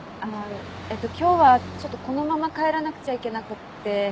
えっと今日はちょっとこのまま帰らなくちゃいけなくって。